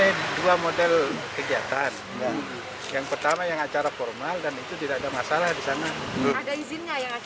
ada izinnya yang acara formalnya